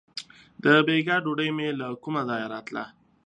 • د بېګا ډوډۍ مې له کومه ځایه راتله.